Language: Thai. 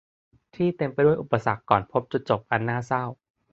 ที่เต็มไปด้วยอุปสรรคก่อนพบจุดจบอันน่าเศร้า